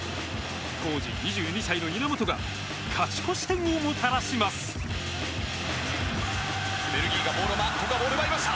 当時２２歳の稲本が勝ち越し点をもたらします。